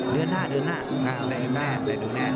เหลือ๕ได้ดูแน่